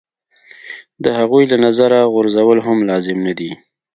د هغوی له نظره غورځول هم لازم نه دي.